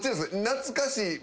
懐かしい。